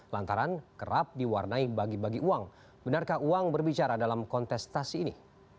lantaran kerap diwarnai bagi bagi uang benarkah uang berbicara dalam kontestasi ini